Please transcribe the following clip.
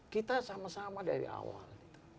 kita sama sama dari awal